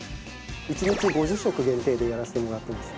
１日５０食限定でやらせてもらってます。